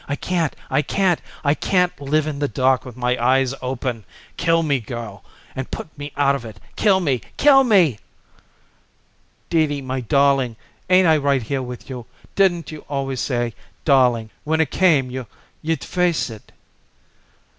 I can't! I can't! I can't live in the dark with my eyes open! Kill me, girl, and put me out of it kill me! Kill me!" "Dee Dee, my darling, ain't I right here with you? Didn't you always say, darling, when it came you you'd face it?"